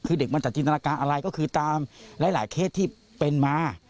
คือเด็กมันจะจินตนาการอะไรก็คือตามหลายเคสที่เป็นมา